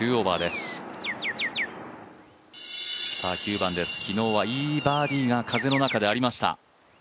９番です、昨日はいいバーディーが風の中でありました。